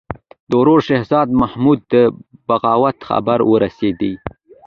د ورور شهزاده محمود د بغاوت خبر ورسېدی.